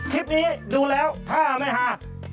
คลิปนี้ดูแล้วถ้าหาผิดอันสลับกันนะครับ